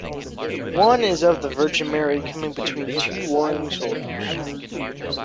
One is of the Virgin Mary coming between two warring soldiers.